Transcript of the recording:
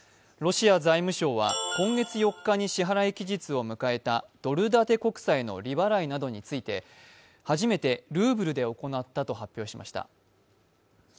ロシア財務省は今月４日に支払い期日を迎えたドル建て国債の利払いなどについて、初めてルーブルで行ったと発表しました。